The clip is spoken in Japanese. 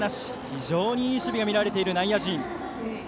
非常にいい守備が見られている内野陣。